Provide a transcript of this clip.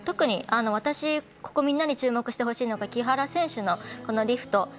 私みんなに注目してほしいのが木原選手のこのリフト。